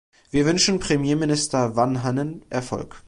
Wir wünschen Premierminister Vanhanen Erfolg.